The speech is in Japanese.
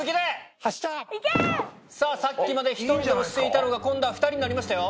さっきまで１人で押していたのが今度は２人になりましたよ